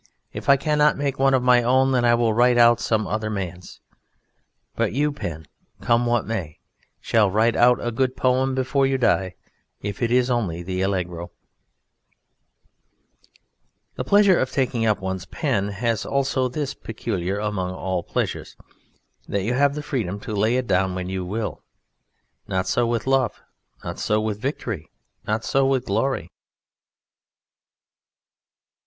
If I cannot make one of my own, then I will write out some other man's; but you, pen, come what may, shall write out a good poem before you die, if it is only the Allegro. The pleasure of taking up one's pen has also this, peculiar among all pleasures, that you have the freedom to lay it down when you will. Not so with love. Not so with victory. Not so with glory.